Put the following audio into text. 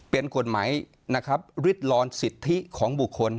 เป็นกฎหมายนะครับริดร้อนสิทธิของบุคคล